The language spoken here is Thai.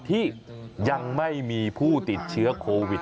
ที่ยังไม่มีผู้ติดเชื้อโควิด